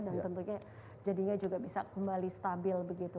dan tentunya jadinya juga bisa kembali stabil begitu